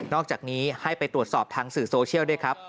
อกจากนี้ให้ไปตรวจสอบทางสื่อโซเชียลด้วยครับ